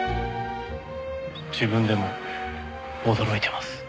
自分でも驚いてます。